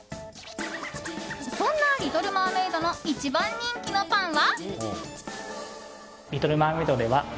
そんなリトルマーメイドの一番人気のパンは。